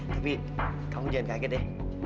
tapi kamu jangan kaget ya